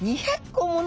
２００個も！